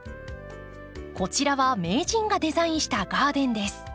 こちらは名人がデザインしたガーデンです。